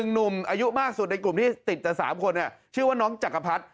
หนุ่มอายุมากสุดในกลุ่มที่ติดแต่๓คนชื่อว่าน้องจักรพรรดิ